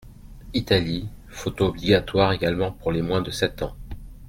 Italie : photos obligatoires également pour les moins de sept ans.